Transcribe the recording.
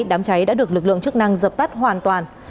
đám cháy đã được lực lượng chức năng dập tắt hoàn toàn